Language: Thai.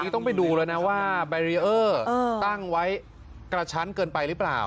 ต้องไปดูแล้วนะว่าแบรีเออร์ตั้งไว้กระชั้นเกินไปหรือเปล่า